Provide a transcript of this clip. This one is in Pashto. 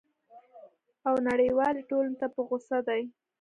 او نړیوالي ټولني ته په غوصه دی!